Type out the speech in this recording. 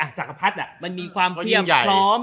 อ่ะจักรพรรษมันมีความเคลี่ยมพร้อม